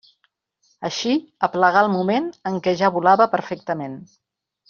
Així aplegà el moment en què ja volava perfectament.